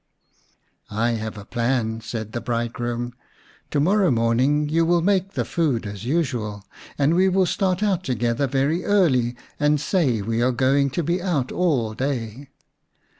" I have a plan," said the bridegroom. " To morrow morning you will make the food as usual, and we will start out together very early and say we are going to be out all day.